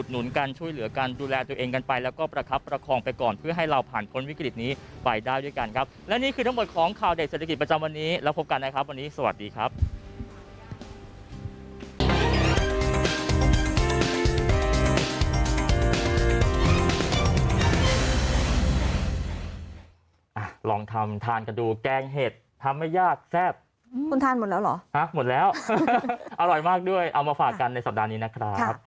เมื่อกี้ประจำวันนี้แล้วพบกันนะครับวันนี้สวัสดีครับ